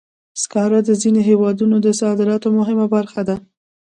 سکاره د ځینو هېوادونو د صادراتو مهمه برخه ده.